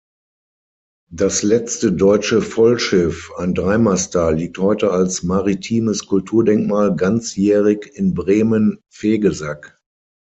Das letzte deutsche Vollschiff, ein Dreimaster, liegt heute als maritimes Kulturdenkmal ganzjährig in Bremen-Vegesack.